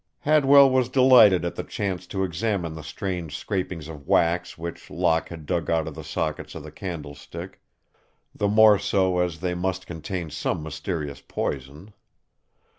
Hadwell was delighted at the chance to examine the strange scrapings of wax which Locke had dug out of the sockets of the candlestick, the more so as they must contain some mysterious poison.